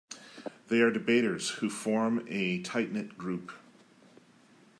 They are debaters who form a tight knit group.